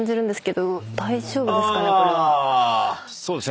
そうですね。